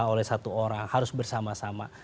oleh satu orang harus bersama sama